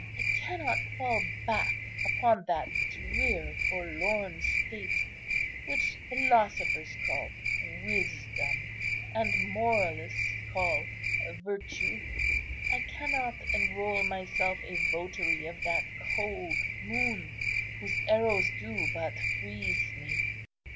I cannot fall back upon that drear, forlorn state, which philosophers call wisdom, and moralists call virtue. I cannot enrol myself a votary of that cold Moon, whose arrows do but freeze me.